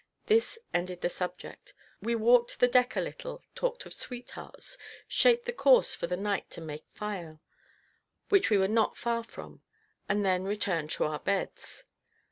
This ended the subject: we walked the deck a little, talked of sweethearts, shaped the course for the night to make Fayal, which we were not far from, and then returned to our beds.